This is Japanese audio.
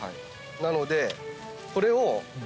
なのでこれを。